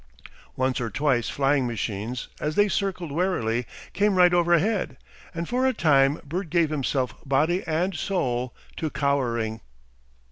Once or twice flying machines, as they circled warily, came right overhead, and for a time Bert gave himself body and soul to cowering.